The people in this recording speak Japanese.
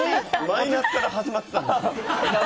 マイナスから始まってたんですか。